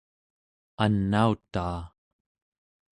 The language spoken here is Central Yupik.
anautaa